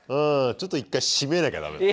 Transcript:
ちょっと一回締めなきゃダメかもね。